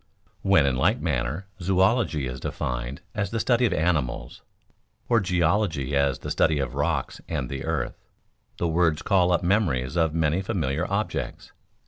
When, in like manner zoölogy is defined as the study of animals, or geology as the study of rocks and the earth, the words call up memories of many familiar objects.